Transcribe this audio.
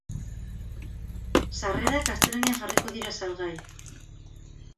Sarrerak astelehenean jarriko dira salgai.